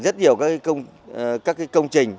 rất nhiều các công trình